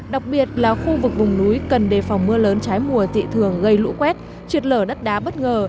đặc biệt là khu vực vùng núi cần đề phòng mưa lớn trái mùa tị thường gây lũ quét trượt lở đất đá bất ngờ